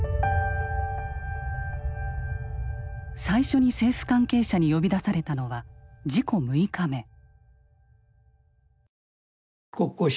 最初に政府関係者に呼び出されたのは事故６日目。